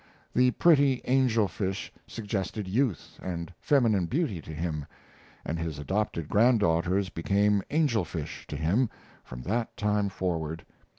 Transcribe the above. The pretty angel fish suggested youth and feminine beauty to him, and his adopted granddaughters became angel fish to him from that time forward.